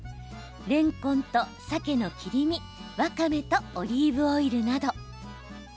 れんこんと、さけの切り身わかめとオリーブオイルなど。